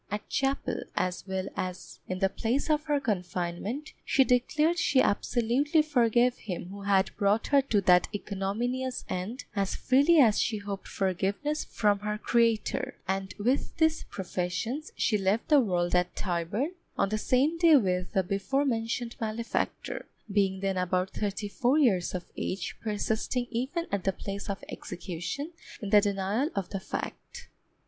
At chapel, as well as in the place of her confinement, she declared she absolutely forgave him who had brought her to that ignominious end, as freely as she hoped forgiveness from her Creator; and with these professions she left the world at Tyburn, on the same day with the before mentioned malefactor, being then about thirty four years of age, persisting even at the place of execution in the denial of the fact.